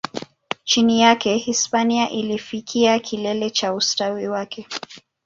Chini yake, Hispania ilifikia kilele cha ustawi wake.